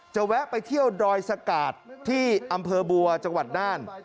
แวะไปเที่ยวดอยสกาดที่อำเภอบัวจังหวัดน่าน